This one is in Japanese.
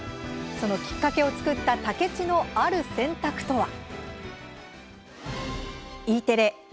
そのきっかけを作った武市のある選択とは？